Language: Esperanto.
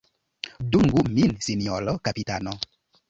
Dungu min sinjoro kapitano!